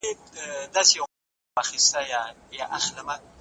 د شپې له تورې پنجابيه سره دال وهي